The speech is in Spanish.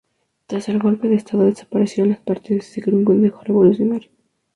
Tras el golpe de estado desaparecieron los partidos y se creó un consejo revolucionario.